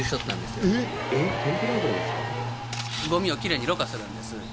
ゴミをきれいにろ過するんです。